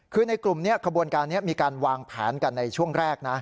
คือในกลุ่มนี้ขบวนการนี้มีการวางแผนกันในช่วงแรกนะ